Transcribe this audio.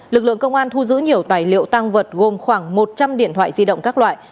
lực lượng công an thu giữ nhiều tài liệu tăng vật gồm khoảng một trăm linh điện thoại di động các loại